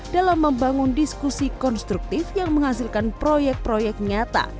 dalam membangun diskusi konstruktif yang menghasilkan proyek proyek nyata